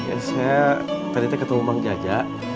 eh saya tadi ketemu mang jajak